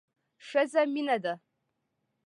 ښځه مينه ده